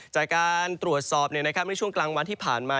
จากการตรวจสอบในช่วงกลางวันที่ผ่านมา